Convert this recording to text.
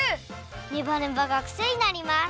ネバネバがくせになります！